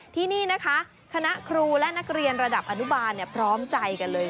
ที่นี่นะคะคณะครูและนักเรียนระดับอนุบาลพร้อมใจกันเลย